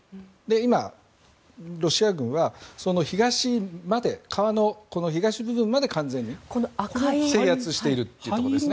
今、ロシア軍はその東まで川の東部分まで完全に制圧しているということですね。